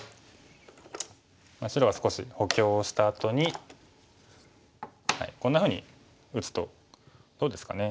白は少し補強をしたあとにこんなふうに打つとどうですかね。